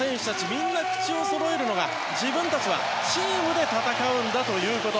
みんな口をそろえるのが自分たちはチームで戦うんだということ。